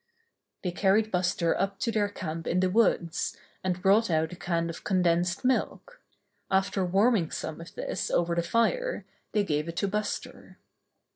They carried Buster up to their camp in the woods, and brought out a can of condensed milk. After warming some of this over the fire, they gave it to Buster.